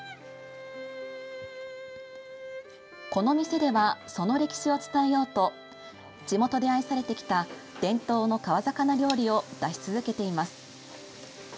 この店ではその歴史を伝えようと地元で愛されてきた、伝統の川魚料理を出し続けています。